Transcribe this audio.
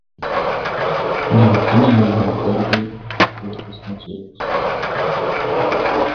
Gimtinėje jo garbei įkurtas muziejus.